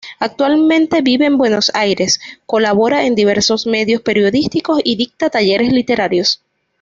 Actualmente vive en Buenos Aires, colabora en diversos medios periodísticos y dicta talleres literarios.